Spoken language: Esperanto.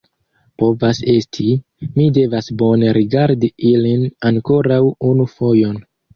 Povas esti; mi devas bone rigardi ilin ankoraŭ unu fojon.